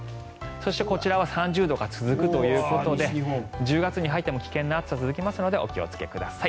そしてこちらは３０度が続くということで１０月に入っても危険な暑さが続きますのでお気をつけください。